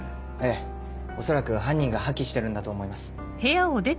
ええ恐らく犯人が破棄してるんだと思います。